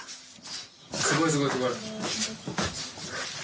・すごいすごいすごい。